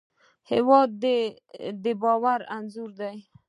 هېواد د باور انځور دی.